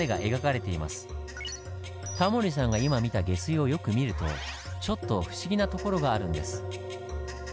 タモリさんが今見た下水をよく見るとちょっと不思議なところがあるんです。